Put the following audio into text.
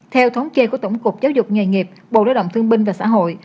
theo thống chê của tổng cục giáo dục nghề nghiệp bộ đại động thương binh và xã hội